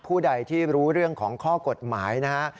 ผู้ใดที่รู้เรื่องของข้อกฎหมายนะฮะ